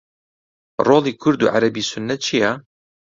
ڕۆڵی کورد و عەرەبی سوننە چییە؟